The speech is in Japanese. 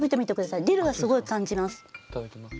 いただきます。